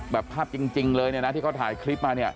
แบบภาพจริงเลยที่เขาถ่ายคลิปมา